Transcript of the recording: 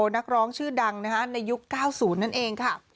นักร้องชื่อดังในยุค๙๐นั่นเองค่ะ